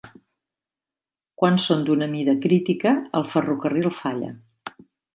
Quan són d'una mida crítica, el ferrocarril falla.